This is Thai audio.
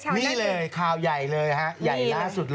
นี่เลยข่าวใหญ่เลยครับ